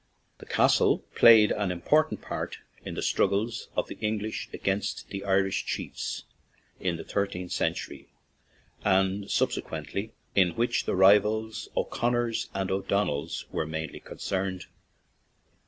The castle played an important part in the struggles of the English against the Irish chiefs in the thirteenth century and subsequent ly, in which the rival O'Conors and O'Don nells were mainly concerned.